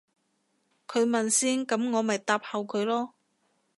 佢問先噉我咪答後佢咯